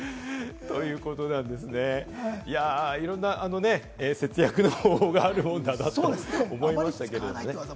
いろんなね、節約の方法があるもんだなと思いましたけどね。